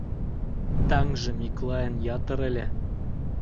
Таҥже Миклайын ятыр ыле.